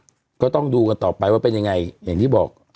ก็ต้องดูกันต่อไปว่าเป็นยังไงอย่างที่บอก